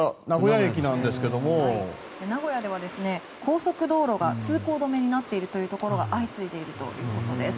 名古屋では高速道路が通行止めになっているところが相次いでいるということです。